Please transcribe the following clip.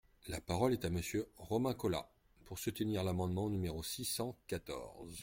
La parole est à Monsieur Romain Colas, pour soutenir l’amendement numéro six cent quatorze.